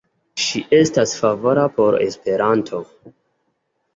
Ŝi estas favora por Esperanto.